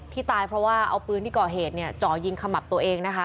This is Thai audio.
ตายเพราะว่าเอาปืนที่ก่อเหตุเนี่ยจ่อยิงขมับตัวเองนะคะ